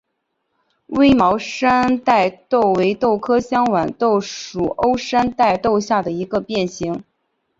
微毛山黧豆为豆科香豌豆属欧山黧豆下的一个变型。